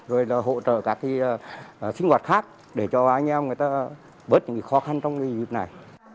rồi là hỗ trợ các sinh hoạt khác để cho anh em người ta bớt những khó khăn trong dịp này